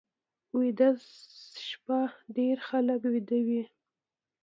ویده شپه ډېر خلک ویده وي